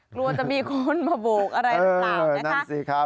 กลัวจะมีคนมาบูกอะไรกับเรานะคะ